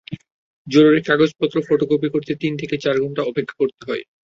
জরুরি কাগজপত্র ফটোকপি করতে তিন থেকে চার ঘণ্টা অপেক্ষা করতে হয়।